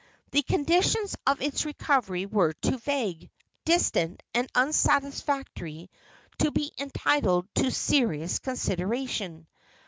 The conditions of its recovery were too vague, distant and unsatisfactory to be entitled to serious consideration.